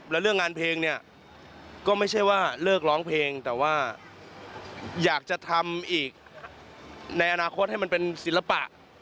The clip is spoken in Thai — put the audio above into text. แล้วเรื่องงานเพลงเนี่ยก็ไม่ใช่ว่าเลิกร้องเพลงแต่ว่าอยากจะทำอีกในอนาคตให้มันเป็นศิลปะ